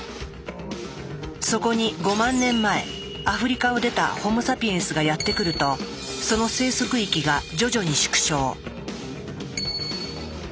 そこに５万年前アフリカを出たホモ・サピエンスがやって来るとその生息域が徐々に縮小。